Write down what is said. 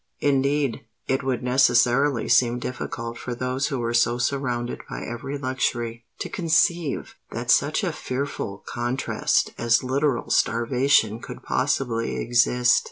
Indeed, it would necessarily seem difficult for those who were so surrounded by every luxury, to conceive that such a fearful contrast as literal starvation could possibly exist.